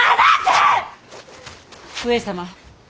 上様！